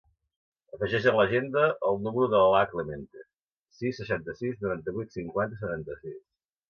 Afegeix a l'agenda el número de l'Alaa Clemente: sis, seixanta-sis, noranta-vuit, cinquanta, setanta-sis.